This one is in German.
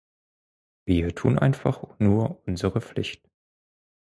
Wir tun einfach nur unsere Pflicht.